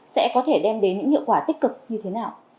sẽ có thể đem đến những hiệu quả tích cực như thế nào